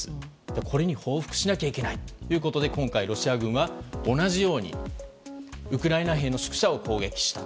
これに報復しなければいけないということで今回ロシア軍は同じようにウクライナ兵の宿舎を攻撃した。